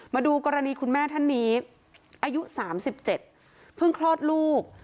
มาดูกรณีคุณแม่ท่านนี้อายุ๓๗เพิ่งคลอดลูก